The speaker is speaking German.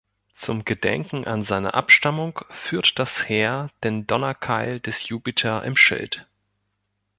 Zum Gedenken an seine Abstammung führt das Heer den Donnerkeil des Jupiter im Schild.